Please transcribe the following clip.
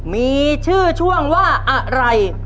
มีชื่อช่วงว่าอะไร